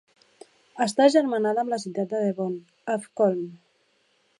Està agermanada amb la ciutat de Devon, Uffculme.